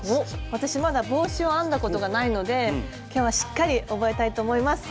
私まだ帽子を編んだことがないので今日はしっかり覚えたいと思います。